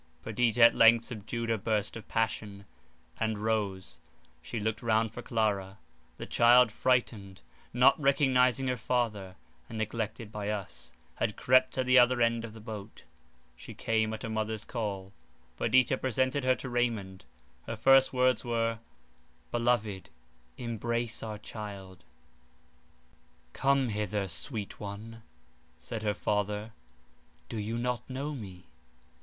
Perdita at length subdued her burst of passion, and rose, —she looked round for Clara; the child frightened, not recognizing her father, and neglected by us, had crept to the other end of the boat; she came at her mother's call. Perdita presented her to Raymond; her first words were: "Beloved, embrace our child!" "Come hither, sweet one," said her father, "do you not know me?"